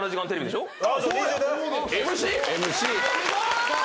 すごーい！